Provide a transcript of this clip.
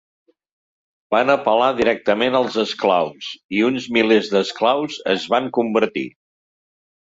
Van apel·lar directament als esclaus, i uns milers d'esclaus es van convertir.